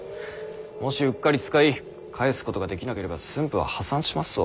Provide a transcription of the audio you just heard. もしうっかり使い返すことができなければ駿府は破産しますぞ。